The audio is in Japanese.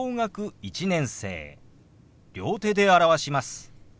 両手で表します。